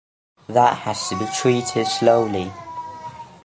that has to be treated slowly